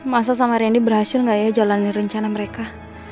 masal sama rendy berhasil gak ya jalanin rencana mereka